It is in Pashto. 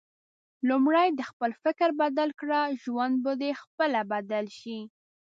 لومړی د خپل فکر بدل کړه ، ژوند به د خپله بدل شي